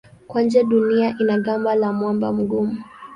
Kwa nje Dunia ina gamba la mwamba mgumu.